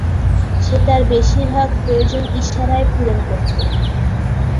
সে তার বেশির ভাগ প্রয়োজন ইশারায় পূরণ করত।